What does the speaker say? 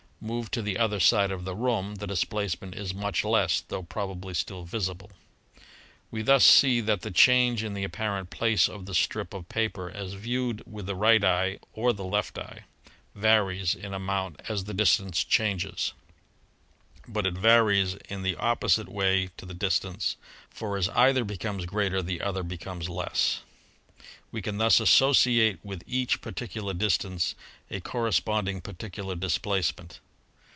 Move to the other side of the room, the displacement is much less, tho probably still visible. We thus see that the change in the apparent place of the strip of paper, as viewed with the right eye or the left eye, varies in amount as the distance changes; but it varies in 64 ASTRONOMY the opposite way to the distance, for as either becomes greater the other becomes less. We can thus associate with each particular distance a "corresponding particular displacement.